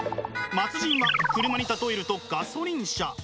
末人は車に例えるとガソリン車。